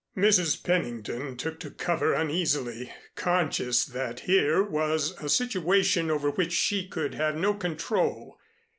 Mrs. Pennington took to cover uneasily, conscious that here was a situation over which she could have no control.